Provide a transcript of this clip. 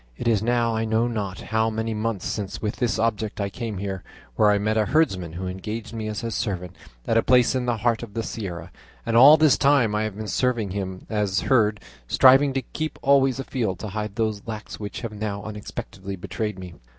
It is now I know not how many months since with this object I came here, where I met a herdsman who engaged me as his servant at a place in the heart of this Sierra, and all this time I have been serving him as herd, striving to keep always afield to hide these locks which have now unexpectedly betrayed me.